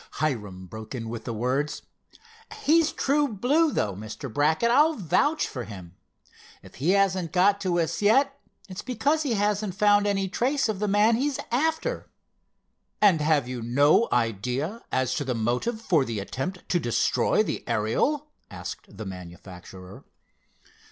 Hiram broke in with the words: "He's true blue, though, Mr. Brackett; I'll vouch for him! If he hasn't got to us yet, it's because he hasn't found any trace of the man he's after." "And have you no idea as to the motive for the attempt to destroy the Ariel?" asked the manufacturer.